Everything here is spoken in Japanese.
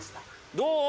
どう？